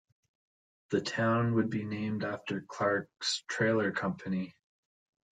The town would be named after Clark's trailer company.